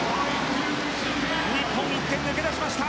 日本、１点抜け出しました。